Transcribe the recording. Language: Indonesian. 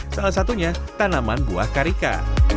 salah satunya tanaman buah karika